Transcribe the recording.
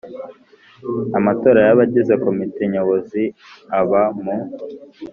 Amatora y abagize Komite Nyobozi aba mu